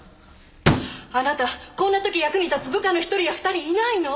あなたこんな時役に立つ部下の一人や二人いないの！？